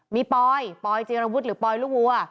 มีปอยปอยจีรวุฒิหรือปอยลูกวัว